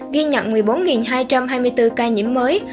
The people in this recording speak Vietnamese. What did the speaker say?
ghi nhận một mươi bốn hai trăm hai mươi bốn ca nhiễm mới